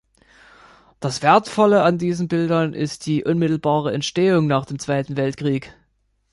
Das wertvolle an diesen Bildern ist die unmittelbare Entstehung nach dem Zweiten Weltkrieg.